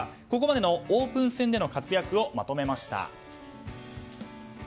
ここまでのオープン戦での活躍をまとめました。